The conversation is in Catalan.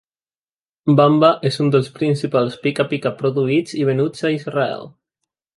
Bamba és un dels principals pica-pica produïts i venuts a Israel.